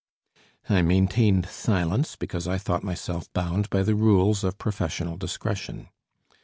I maintained silence because I thought myself bound by the rules of professional discretion.